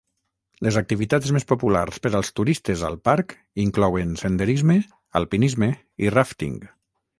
Les activitats més populars per als turistes al parc inclouen senderisme, alpinisme i ràfting.